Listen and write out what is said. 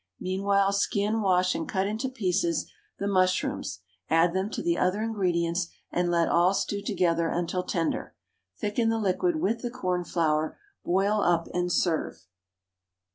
Meanwhile skin, wash, and cut into pieces the mushrooms, add them to the other ingredients, and let all stew together until tender. Thicken the liquid with the cornflour, boil up, and serve.